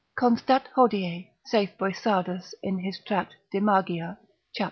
Constat hodie (saith Boissardus in his tract de magia, cap.